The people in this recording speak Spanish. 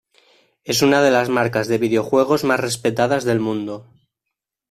Es una de las marcas de videojuegos más respetadas del mundo.